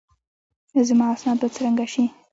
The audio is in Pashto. زما اسناد به څرنګه شي؟